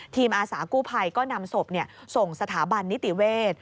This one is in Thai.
อาสากู้ภัยก็นำศพส่งสถาบันนิติเวศ